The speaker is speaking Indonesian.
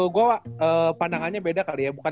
gue pandangannya beda kali ya